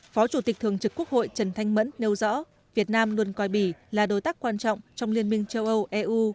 phó chủ tịch thường trực quốc hội trần thanh mẫn nêu rõ việt nam luôn coi bỉ là đối tác quan trọng trong liên minh châu âu eu